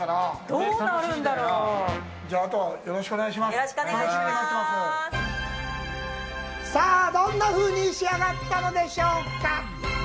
どんなふうに仕上がったんでしょうか？